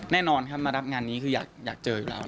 แน่นอนครับมารับงานนี้คืออยากเจออยู่แล้ว